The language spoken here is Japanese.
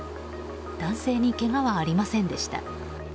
男性に、けがはありませんでした。